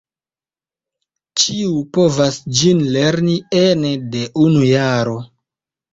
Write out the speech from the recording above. Ĉiu povas ĝin lerni ene de unu jaro.